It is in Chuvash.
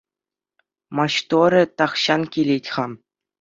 Маҫтӑрӗ тахҫан килет-ха.